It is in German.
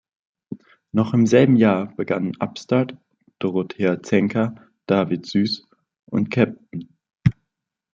Noch im selben Jahr begannen Upstart, Dorothea Zenker, David Süss und Cpt.